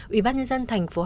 ủy ban nhân dân tp hcm